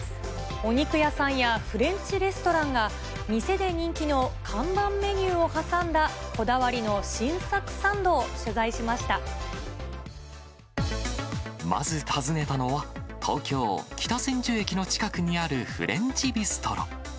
お肉屋さんやフレンチレストランが、店で人気の看板メニューを挟んだこだわりの新作サンドをまず訪ねたのは、東京・北千住駅の近くにあるフレンチビストロ。